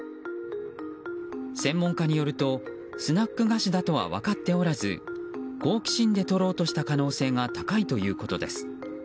専門家によるとスナック菓子だとは分かっておらず好奇心で取ろうとした可能性が高いということです。